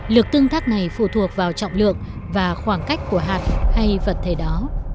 lực tương tác này phụ thuộc vào trọng lượng và khoảng cách của hạt hay vật thể đó